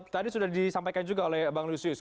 tadi sudah disampaikan juga oleh pak nusius